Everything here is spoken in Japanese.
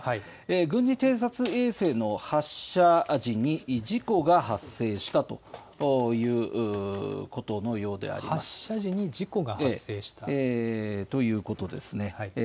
軍事偵察衛星の発射時に、事故が発生したということのようであり発射時に事故が発生した。ということですね。